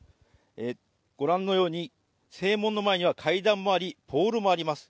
ご覧のように正門の前には階段もありポールもあります。